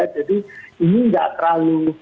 jadi ini gak terlalu